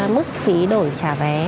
mức phí đổi trả vé